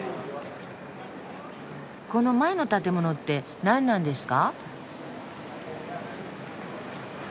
この前の建物って何なんですか？